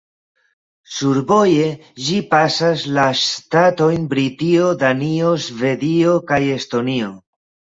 Survoje ĝi pasas la ŝtatojn Britio, Danio, Svedio kaj Estonio.